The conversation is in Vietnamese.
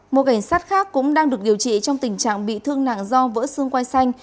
một cảnh sát khác cũng đang được điều trị trong tình trạng bị thương nặng do vỡ xương quay xanh